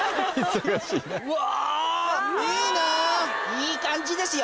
いい感じですよ。